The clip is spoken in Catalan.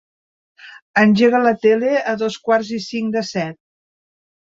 Engega la tele a dos quarts i cinc de set.